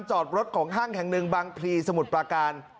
จอดรถของห้างแห่งหนึ่งบางพลีสมุทรปราการ